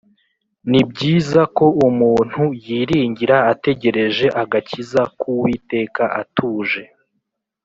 Ni byiza ko umuntu yiringira, Ategereje agakiza k’Uwiteka atuje.